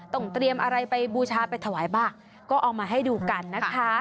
ต้องเตรียมอะไรไปบูชาไปถวายบ้างก็เอามาให้ดูกันนะคะ